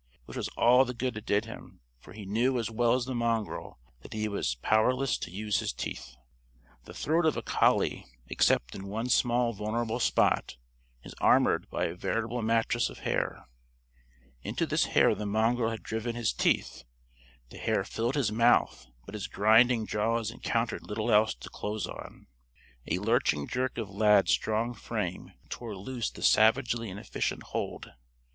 Which was all the good it did him; for he knew as well as the mongrel that he was powerless to use his teeth. The throat of a collie except in one small vulnerable spot is armored by a veritable mattress of hair. Into this hair the mongrel had driven his teeth. The hair filled his mouth, but his grinding jaws encountered little else to close on. A lurching jerk of Lad's strong frame tore loose the savagely inefficient hold.